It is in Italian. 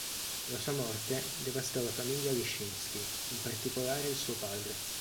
La sua morte devastò la famiglia Leszczyński, in particolare suo padre.